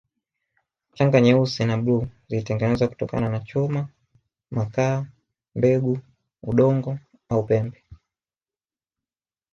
Shanga nyeusi na bluu zilitengenezwa kutokana na chuma makaa mbegu udongo au pembe